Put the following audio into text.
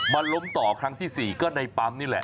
ล้มต่อครั้งที่๔ก็ในปั๊มนี่แหละ